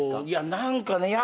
何かね